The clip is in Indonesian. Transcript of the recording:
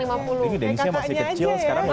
ini deniznya masih kecil sekarang udah